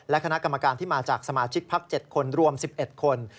และคณะกรรมการที่มาจากสมาชิกพัก๗คนรวม๑๑คน